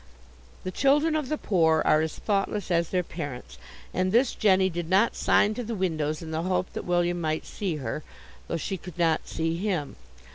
The children of the poor are as thoughtless as their parents, and this Jenny did not sign to the windows in the hope that William might see her, though she could not see him.